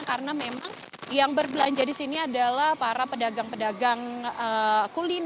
karena memang yang berbelanja di sini adalah para pedagang pedagang kuliner